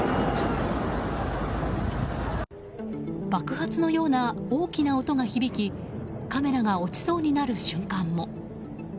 爆発のような大きな音が響きカメラが落ちそうになる瞬間も。